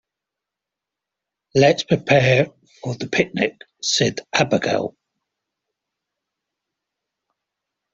"Let's prepare for the picnic!", said Abigail.